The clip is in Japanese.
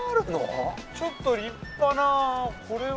ちょっと立派なこれは。